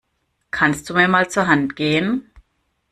Kannst du mir mal zur Hand gehen?